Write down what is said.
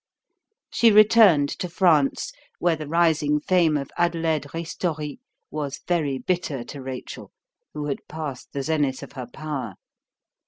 She returned to France, where the rising fame of Adelaide Ristori was very bitter to Rachel, who had passed the zenith of her power.